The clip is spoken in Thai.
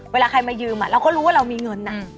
เวลาใครมายืมเราก็รู้ว่าเรามีเงิน